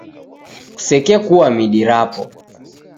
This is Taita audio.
Kusekekua midi rapo.